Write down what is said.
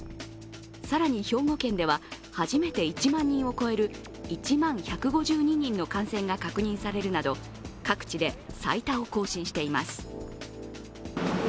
更に兵庫県では初めて１万人を超える１万１５２人の感染が確認されるなど各地で最多を更新しています。